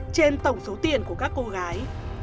trên tổng số tiền của các cô gái